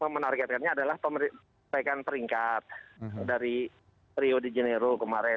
menargetkannya adalah perbaikan peringkat dari rio de janeiro kemarin